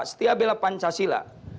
setiap bela pancasila